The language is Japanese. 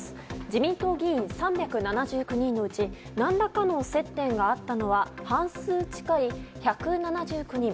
自民党議員３７９人のうち何らかの接点があったのは半数近い１７９人。